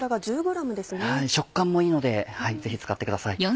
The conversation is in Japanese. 食感もいいのでぜひ使ってください。